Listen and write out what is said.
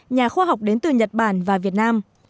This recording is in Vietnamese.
nhà khoa học đến từ nhật bản và việt nam